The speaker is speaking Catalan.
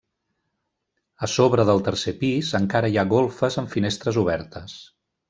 A sobre del tercer pis encara hi ha golfes amb finestres obertes.